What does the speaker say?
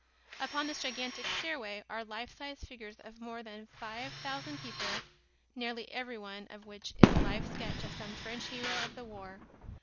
Upon this gigantic stairway are life size figures of more than five thousand people nearly everyone of which is a life sketch of some French hero of the war.